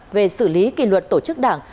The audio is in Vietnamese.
về xử lý kỳ luật tổ chức đảng